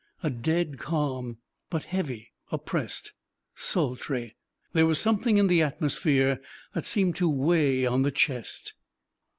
A dead calm; but heavy, oppressed, sultry. There was something in the atmosphere that seemed to weigh on the chest.